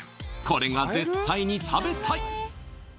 これが絶対に食べたい